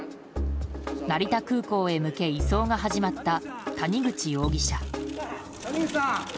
成田空港へ向け移送が始まった谷口容疑者。